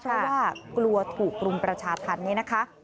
เพราะว่ากลัวถูกรุมประชาธรรมนี้นะคะ